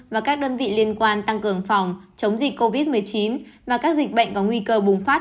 và các đơn vị liên quan tăng cường phòng chống dịch covid một mươi chín và các dịch bệnh có nguy cơ bùng phát